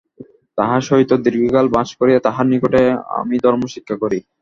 তাঁহার সহিত দীর্ঘকাল বাস করিয়া তাঁহার নিকটেই আমি ধর্ম শিক্ষা করি।